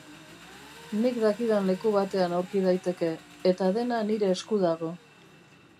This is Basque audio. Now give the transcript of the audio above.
Nik dakidan leku batean aurki daiteke, eta dena nire esku dago.